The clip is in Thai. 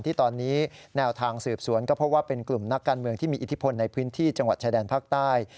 ที่ตอนนี้แนวทางสืบสวนก็พบว่าเป็นกลุ่มนักการเมืองที่มีอิทธิพลในพื้นที่จังหวัดชายแดนภาคใต้